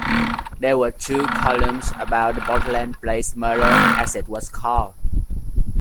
There were two columns about the Portland Place Murder, as it was called.